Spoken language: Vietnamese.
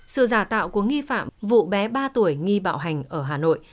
sự giả tạo của nghi phạm vụ bé ba tuổi nghi bạo hành ở hà nội